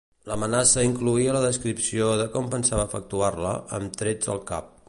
L'amenaça incloïa la descripció de com pensava efectuar-la, amb trets al cap.